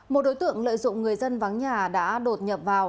một đối tượng lợi dụng người dân vắng nhà đã đột nhập vào